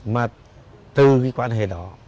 mà từ cái quan hệ đó